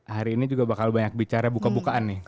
hari ini juga bakal banyak bicara buka bukaan nih